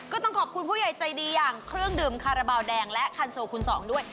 ก็ต้องขอบคุณผู้ใหญ่ใจดีอย่างเครื่องดื่มคาราบาลแดงและคันโซคูณสองด้วย